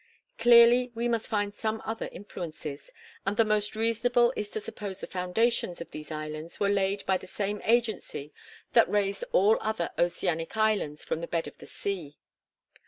Clearly we must find some other influences; and the most reasonable is to suppose the foundations of these islands were laid by the same agency that raised all other Oceanic islands from the bed of the sea.